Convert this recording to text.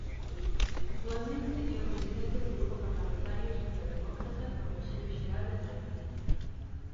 Actualmente é o presidente do grupo parlamentario socialdemócrata no Consello Xeral de Andorra.